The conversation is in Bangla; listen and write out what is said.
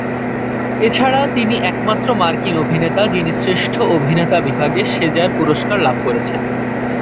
এছাড়া তিনি একমাত্র মার্কিন অভিনেতা যিনি শ্রেষ্ঠ অভিনেতা বিভাগে সেজার পুরস্কার লাভ করেছেন।